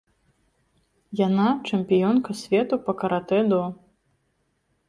Яна чэмпіёнка свету па каратэ-до.